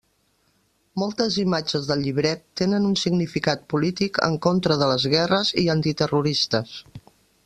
Moltes imatges del llibret tenen un significat polític en contra de les guerres i antiterroristes.